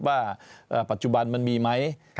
ว่าปัจจุบันมันมีไหม